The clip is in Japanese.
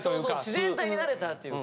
自然体になれたというか。